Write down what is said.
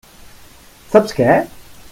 Saps què?